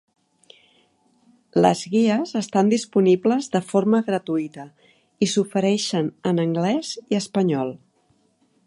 Les guies estan disponibles de forma gratuïta i s'ofereixen en anglès i espanyol.